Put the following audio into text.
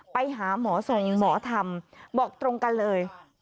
ไปหาหมอทรงหมอธรรมบอกตรงกันเลย